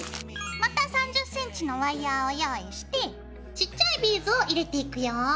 また３０ｃｍのワイヤーを用意してちっちゃいビーズを入れていくよ。